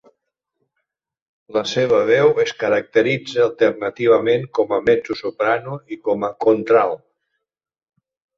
La seva veu es caracteritza alternativament com a mezzosoprano i com a contralt.